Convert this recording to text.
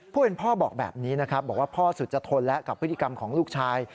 พ่อบอกแบบนี้นะครับบอกว่าพ่อสุจทนแล้วกับพฤติกรรมของลูกชาย